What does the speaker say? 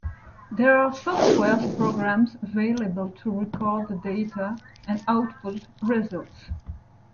There are software programs available to record the data and output results.